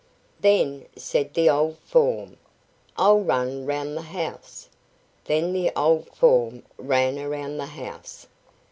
"Then," said the old form, "I'll run round the house." Then the old form ran round the house.